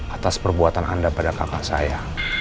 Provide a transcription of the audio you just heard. atas perbuatan anda pada kakak saya